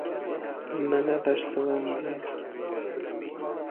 Me nebersivandiye.